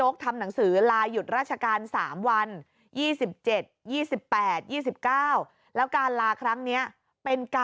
ครั้งแรกในรอบปีโอ้โห